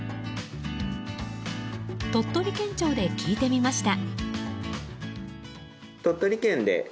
鳥取県庁で聞いてみました。